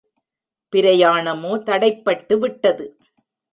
பிரயாணமோ தடைப்பட்டு விட்டது.